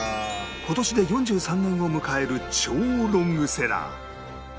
今年で４３年を迎える超ロングセラー